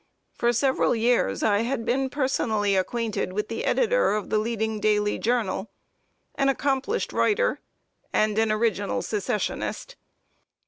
For several years I had been personally acquainted with the editor of the leading daily journal an accomplished writer, and an original Secessionist.